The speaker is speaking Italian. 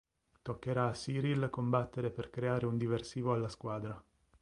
Toccherà a Cyril combattere per creare un diversivo alla squadra.